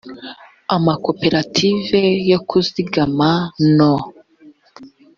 amakoperative yo kuzigama no